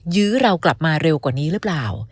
ยื้อเรากลับมาเร็วกว่านี้หรือเปล่า